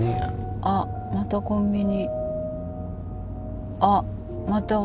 あっまたコンビニ。